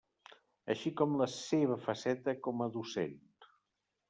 Així com la seva faceta com a docent.